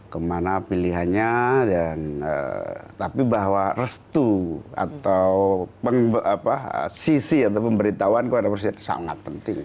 kemana pilihannya dan tapi bahwa restu atau sisi atau pemberitahuan kepada presiden sangat penting